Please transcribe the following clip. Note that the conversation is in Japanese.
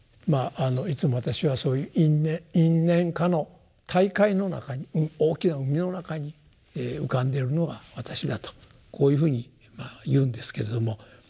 いつも私はそういう「因・縁・果の大海」の中に大きな海の中に浮かんでるのが私だとこういうふうに言うんですけれども。